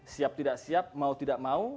siap tidak siap mau tidak mau